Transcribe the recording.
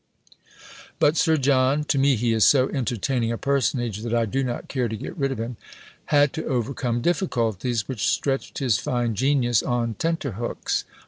But Sir John, to me he is so entertaining a personage that I do not care to get rid of him, had to overcome difficulties which stretched his fine genius on tenter hooks.